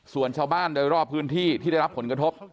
ส่วนชาวบ้านโดยรอบพื้นที่ที่ได้รับผลกระทบ